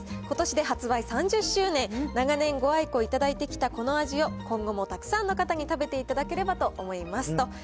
ことしで発売３０周年、長年ご愛顧いただいてきたこの味を、今後もたくさんの方に食べていただければと思いますと。